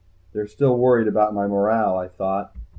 They're still worried about my morale, I thought.